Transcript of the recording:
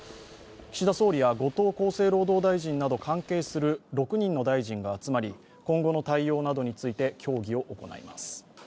岸田総理や後藤厚生労働大臣など関係する６人の大臣が集まり今後の対応などについて協議を行います。